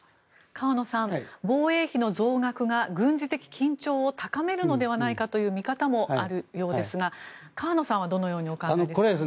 河野さん、防衛費の増額が軍事的緊張を高めるのではないかという見方もあるようですが河野さんはどのようにお考えですか？